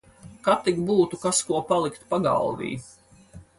Kad tik būtu kas ko palikt pagalvī.